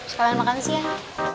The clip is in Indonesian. sekarang makan siang